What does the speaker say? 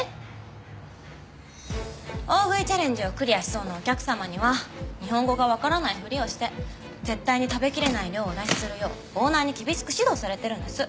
大食いチャレンジをクリアしそうなお客様には日本語がわからないふりをして絶対に食べきれない量をお出しするようオーナーに厳しく指導されてるんです。